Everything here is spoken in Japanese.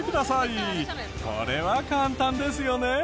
これは簡単ですよね。